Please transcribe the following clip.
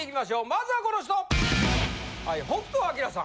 まずはこの人！